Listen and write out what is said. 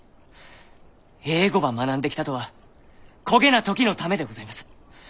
英語ば学んできたとはこげな時のためでございます。